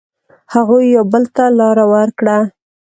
هغوی یو بل ته لاره ورکړه.